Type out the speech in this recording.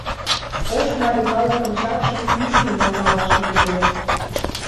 Ош марий калыкын чапшым кӱшкӧ нӧлталаш лийже.